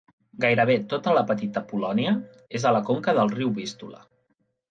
Gairebé tota la Petita Polònia és a la conca del riu Vístula.